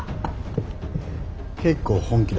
結構本気だ。